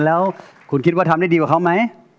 แล้วคุณคิดว่าทำได้ดีกว่าเขาไหม